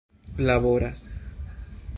laboras